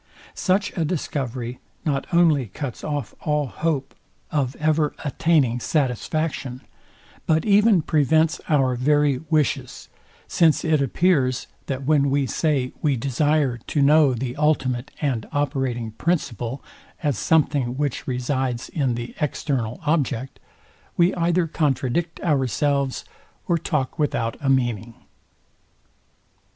Such a discovery not only cuts off all hope of ever attaining satisfaction, but even prevents our very wishes; since it appears, that when we say we desire to know the ultimate and operating principle, as something, which resides in the external object, we either contradict ourselves, or talk without a meaning.